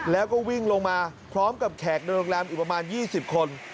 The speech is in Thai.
แล้วก็วิ่งลงมาพร้อมกับแขกในโรงแรมอีกประมาณ๒๐คน